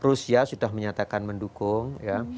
amerika sudah menyatakan mendukung